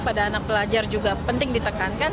pada anak pelajar juga penting ditekankan